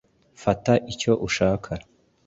fata icyo ushaka